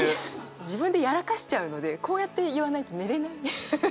自分でやらかしちゃうのでこうやって言わないと寝れない。